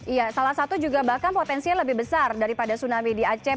iya salah satu juga bahkan potensinya lebih besar daripada tsunami di aceh